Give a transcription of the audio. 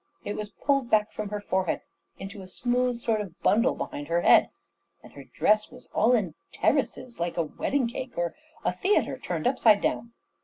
It was pulled back from her forehead into a smooth sort of bundle behind her head; and her dress was all in terraces, like a wedding cake, or a theatre turned upside down.